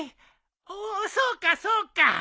おおそうかそうか。